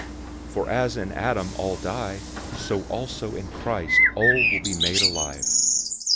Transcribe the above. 015:022 For as in Adam all die, so also in Christ all will be made alive.